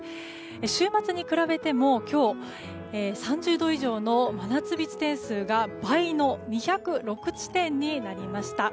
週末に比べても今日３０度以上の真夏日地点数が倍の２０６地点になりました。